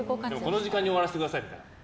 この時間に終わらせてくださいみたいな。